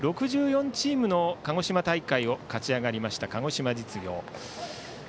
６４チームの鹿児島大会を勝ち上がりました鹿児島実業。